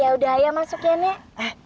ya udah ayah masuk ya nek